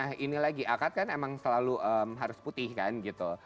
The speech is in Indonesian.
nah ini lagi akad kan emang selalu harus putih kan gitu